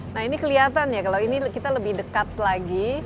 nah ini kelihatan ya kalau ini kita lebih dekat lagi